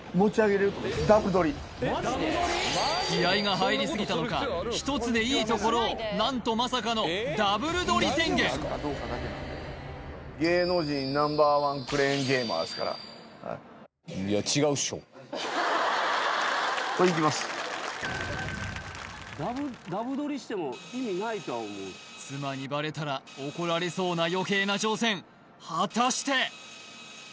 気合が入りすぎたのか１つでいいところを何とまさかのですからはいいや妻にバレたら怒られそうな余計な挑戦果たして？